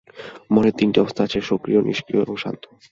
মনের তিনটি অবস্থা আছে সক্রিয়, নিষ্ক্রিয় এবং শান্ত।